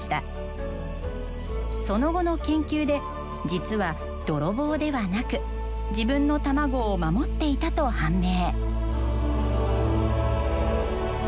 その後の研究で実は泥棒ではなく自分の卵を守っていたと判明。